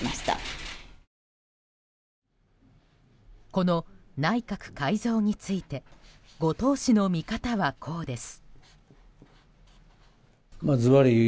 この内閣改造について後藤氏の見方はこうです。